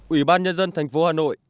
ủy ban nhân dân thành phố hà nội